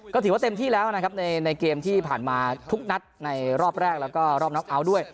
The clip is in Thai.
ก็ถือว่าเต็มที่แล้วนะครับในเกมที่ผ่านมาทุกนัดในรอบแรกแล้วก็รอบน็อกเอาท์ด้วย